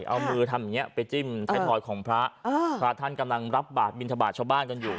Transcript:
เอามือทำอย่างเงี้ไปจิ้มไทยทอยของพระพระท่านกำลังรับบาทบินทบาทชาวบ้านกันอยู่